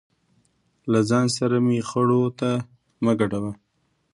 له ځان سره مې خړو ته مه ګډوه.